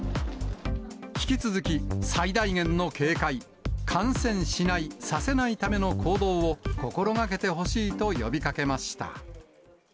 引き続き最大限の警戒、感染しない、させないための行動を心がけてほしいと呼びかけました。